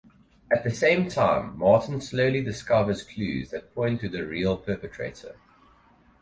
At the same time, Martin slowly discovers clues that point to the real perpetrator.